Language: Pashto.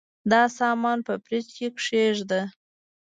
دا سامان په فریج کي کښېږده.